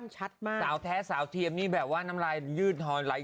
สั่งได้มีบายแมนได้